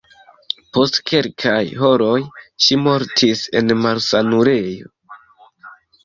Post kelkaj horoj ŝi mortis en malsanulejo.